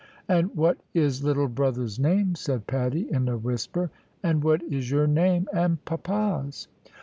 "And what is little brother's name?" said Patty, in a whisper; "and what is your name and papa's?"